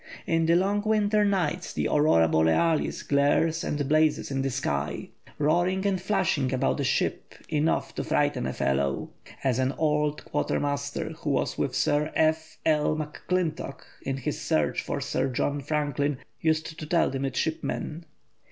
In the long winter nights the aurora borealis glares and blazes in the sky, "roaring and flashing about a ship enough to frighten a fellow," as an old quartermaster, who was with Sir F. L. McClintock in his search for Sir John Franklin, used to tell the midshipmen.